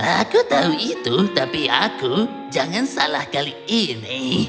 aku tahu itu tapi aku jangan salah kali ini